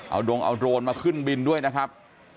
เอาดงเอาโดรนมาขึ้นบินด้วยนะครับ